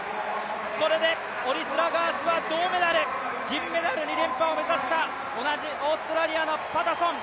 これでオリスラガースは銅メダル銀メダルに連覇を目指した、同じオーストラリアのパタソン。